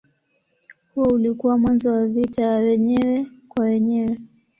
Huo ulikuwa mwanzo wa vita ya wenyewe kwa wenyewe.